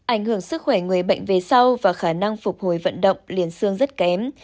ảnh hưởng sức khỏe người bệnh về sau và khả năng phục hồi vận động liên xương rất kém